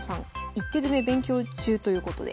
一手詰勉強中ということで。